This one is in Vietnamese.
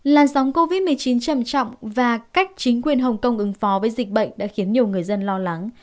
làn sóng covid một mươi chín trầm trọng và cách chính quyền hồng kông ứng phó với dịch bệnh đã khiến nhiều người dân lo lắng